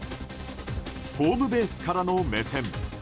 ホームベースからの目線。